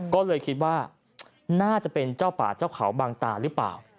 ก็เลยคิดว่าน่าจะเป็นเจ้าป่าเจ้าเขาบางตาหรือเปล่า